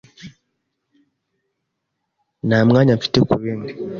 Nta mwanya mfite kubindi.